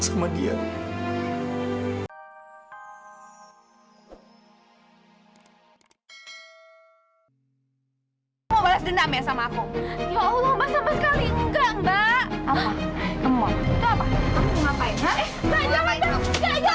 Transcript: sama dia mobile dengan melepaskan sama aku vanguard kadang apaan ini apa ya